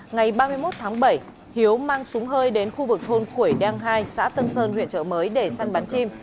ngày ba mươi một tháng bảy hiếu mang súng hơi đến khu vực thôn khuổi đen hai xã tân sơn huyện chợ mới để săn bắn chim